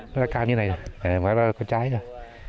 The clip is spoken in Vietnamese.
cây này cao như thế này có trái rồi